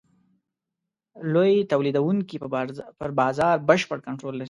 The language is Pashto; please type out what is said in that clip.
لوی تولیدوونکي پر بازار بشپړ کنټرول لري.